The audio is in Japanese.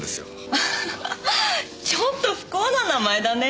アハハちょっと不幸な名前だね。